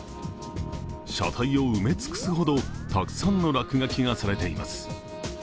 車体を埋め尽くすほどたくさんの落書きがされています。